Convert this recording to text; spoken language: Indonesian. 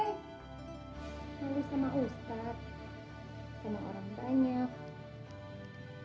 hai malu sama ustadz semua orang banyak